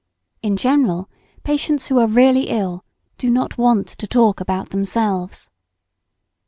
In general, patients who are really ill, do not want to talk about themselves.